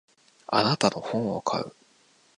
あなたの本を買う。